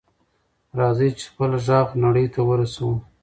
راځئ چې خپل غږ نړۍ ته ورسوو.